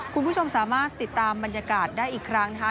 คุณผู้ชมสามารถติดตามบรรยากาศได้อีกครั้งนะคะ